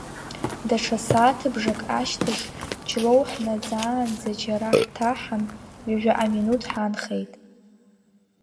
Даҽа сааҭыбжак ашьҭахь, Ҷлоу ҳнаӡаанӡа џьара ҳҭаҳан, ҩажәаҟа минуҭ ҳаанхеит.